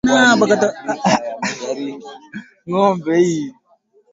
Magonjwa ya ngozi huathiri wanyama wa aina azote